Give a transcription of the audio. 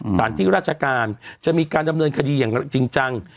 สถานที่ราชการจะมีการดำเนินคดีอย่างจริงจัง